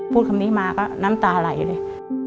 พูดคำนี้มาก็น้ำตาไหลเลย